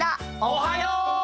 おはよう！